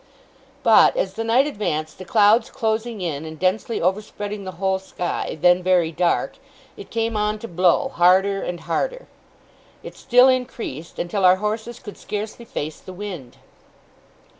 But, as the night advanced, the clouds closing in and densely over spreading the whole sky, then very dark, it came on to blow, harder and harder. It still increased, until our horses could scarcely face the wind.